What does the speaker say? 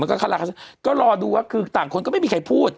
แล้วก็คาราคาก็รอดูว่าคือต่างคนก็ไม่มีใครพูด